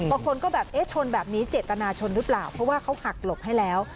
บางคนก็แบบเจ็ดตนาชนรึเปล่าเพราะว่าเขาหักหลบให้แล้ว